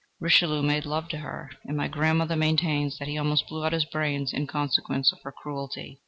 Richelieu made love to her, and my grandmother maintains that he almost blew out his brains in consequence of her cruelty.